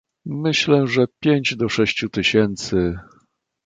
"Myślę, że pięć do sześciu tysięcy..."